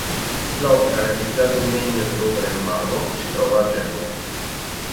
L'opera, realizzata in legno di rovere e marmo, si trova a Genova.